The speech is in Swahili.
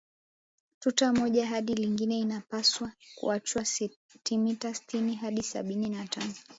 Tuta moja hadi lingine inapaswa kuachwa sentimita sitini hadi sabini na tano